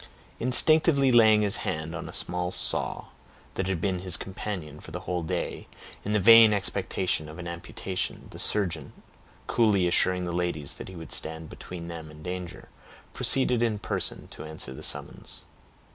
Instinctively laying his hand on a small saw, that had been his companion for the whole day, in the vain expectation of an amputation, the surgeon, coolly assuring the ladies that he would stand between them and danger, proceeded in person to answer the summons.